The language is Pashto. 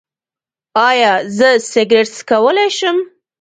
ایا زه سګرټ څکولی شم؟